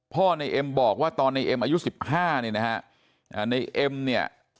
พ่อในเอ็มบอกว่าตอนในเอ็มอายุ๑๕ในเอ็มเนี่ย